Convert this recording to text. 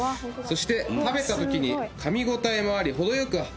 そして食べたときにかみ応えもあり程よく